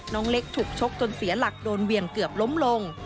น้องเล็กถูกชกจนเสียหลักโดนเวียงเกือบล้มลง